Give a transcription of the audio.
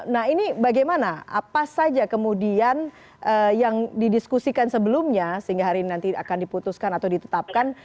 nah ini bagaimana apa saja kemudian yang didiskusikan sebelumnya sehingga hari ini nanti akan diputuskan atau ditetapkan